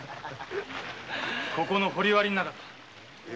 ここの掘り割りの中だ。